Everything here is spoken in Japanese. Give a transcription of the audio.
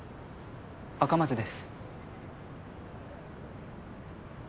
赤松です。